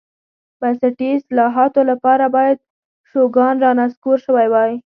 بنسټي اصلاحاتو لپاره باید شوګان رانسکور شوی وای.